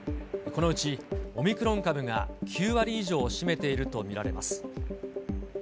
このうちオミクロン株が９割以上を占めていると見られます。